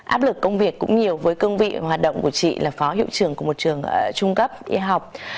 áp lực công việc cũng nhiều với cương vị hoạt động của chị là phó hiệu trưởng của một trường trung cấp y học